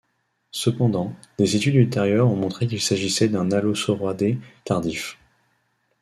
Cependant, des études ultérieures ont montré qu'il s'agissait d'un allosauroidé tardif.